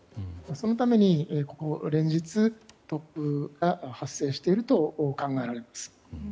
そのためにここ連日、突風が発生していると考えられます。